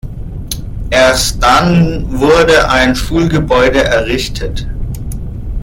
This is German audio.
Erst dann wurde ein Schulgebäude errichtet.